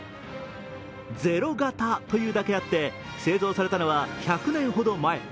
０型というだけあって、製造されたのは１００年ほど前。